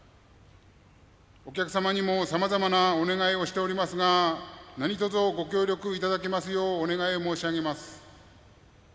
お客様にも、さまざまなお願いをしておりますが何とぞ、ご協力いただけますようお願い申し上げます。